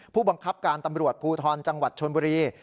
ผู้บังคับการตำรวจภูทรจังหวัดชนบุรี